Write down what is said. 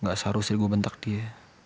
gak seharusnya gue bentak dia